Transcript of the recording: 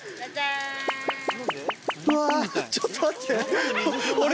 うわちょっと待って。